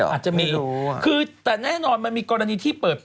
มีหรอไม่รู้อ่ะคือแต่แน่นอนมันมีกรณีที่เปิด